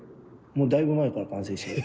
もうだいぶ前から完成してる。